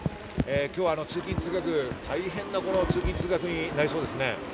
今日は大変な通勤・通学になりそうです。